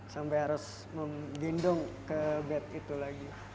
sampai harus menggendong ke bed itu lagi